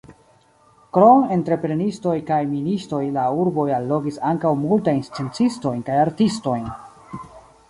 Krom entreprenistoj kaj ministoj la urbo allogis ankaŭ multajn sciencistojn kaj artistojn.